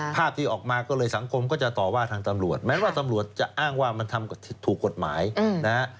ภาพที่ออกมาก็เลยสังคมก็จะต่อว่าทางตำรวจแม้ว่าตำรวจจะอ้างว่ามันทำถูกกฎหมายนะฮะ